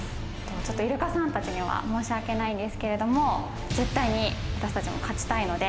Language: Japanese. ちょっとイルカさんたちには申しわけないんですけれども、絶対に私たちも勝ちたいので。